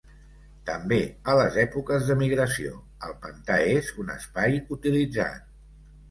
També a les èpoques de migració, el pantà és un espai utilitzat.